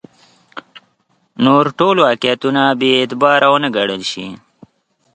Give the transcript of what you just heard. نور ټول واقعیتونه بې اعتباره ونه ګڼل شي.